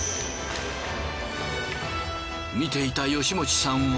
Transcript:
見ていた吉用さんは？